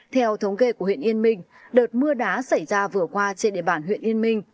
theo thống kê của huyện yên minh đợt mưa đá xảy ra vừa qua trên địa bàn huyện yên minh